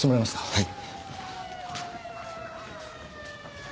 はい。